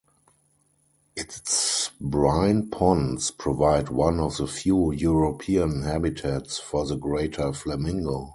Its brine ponds provide one of the few European habitats for the greater flamingo.